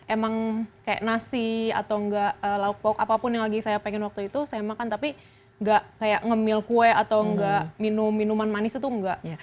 emang kayak nasi atau enggak lauk lauk apapun yang lagi saya pengen waktu itu saya makan tapi gak kayak ngemil kue atau enggak minum minuman manis itu enggak